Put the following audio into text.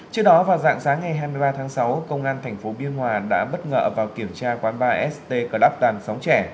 trước đó vào dạng sáng ngày hai mươi ba tháng sáu công an tp biên hòa đã bất ngờ vào kiểm tra quán ba st club đàn sóng trẻ